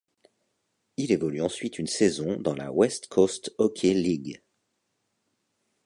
Il évolue ensuite une saison dans la West Coast Hockey League.